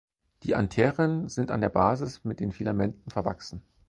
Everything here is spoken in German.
Die Antheren sind an der Basis mit den Filamenten verwachsen.